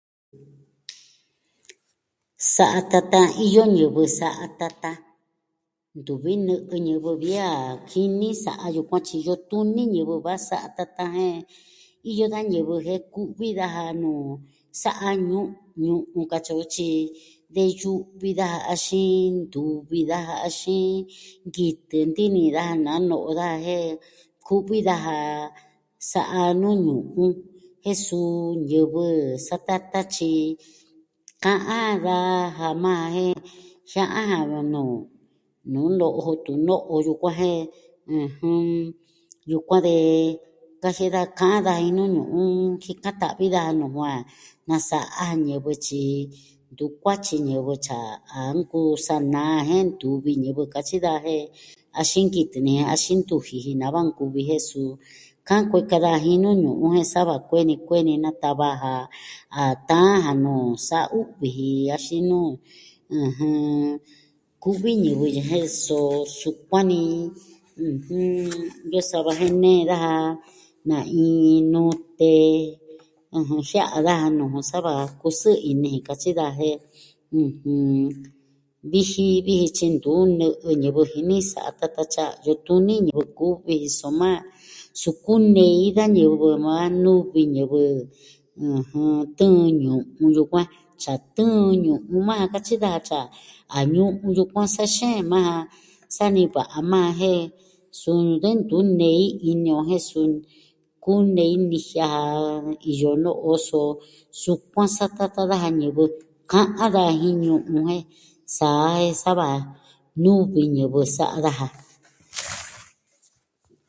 Sa'a tatan, iyo ñivɨ sa'a tatan. Ntuvi nɨ'ɨ ñivɨ vi a jini sa'a yukuan tyi iyo tuni ñivɨ va'a sa'a tatan jen iyo da ñivɨ jen kuvi daja nuu sa'a ñuu... ñu'un on katyi on tyi, de yu'vi daja axin ntuvi daja, axin kitɨ nti'in ini da naa no'o daja jen, ku'vi daja, sa'a nuu ñu'un, jen suu ñivɨ satatan, tyi ka'an daja majan jen jia'an jan va nuu... tuno'o yukuan jen, ɨjɨn, yukuan de kajie'e da ka'an daja jin nuu ñu'un, jikan ta'vi daja nuu va nasa'a ñivɨ tyi ntu kuatyi ñivɨ tyi a nkoo sa naa jen ntuvi ñivɨ katyi daja jen axin nkitɨ ini axin ntu ji'i ji nava ankuvi jen suu ka'an kueka daja jin nuu ñu'un jen sa va kueni kueni natava ja a taan jan nuu sa u'vi ji axin nuu, ɨjɨn... kuvi ñivɨ ye jen, soo sukuan ni iyo sava jen nee daja na iin nute, ɨjɨn, jia'an daja nuu jun sa va kusɨɨ ini jin katyi daja jen, ɨjɨn, viji, viji tyi ntu nɨ'ɨ ñivɨ jini sa'a tatan tyi a iyo tuni ñivɨ kuvi ji, soma suu kunei da ñivɨ maa nuvi ñivɨ. ɨjɨn. tɨɨn ñu'un yukuan tyi a tɨɨn ñu'un jun maa katyi da tyi a ñu'un yukuan sa xeen majan sa niva'a majan jen suu de ntu nei ini o jen suu kunei nijian jan iyo no'o so sukuan satatan daja ñivɨ. Ka'an daja jin ñu'un jun jen saa jen sa va nuvi ñivɨ sa'a daja.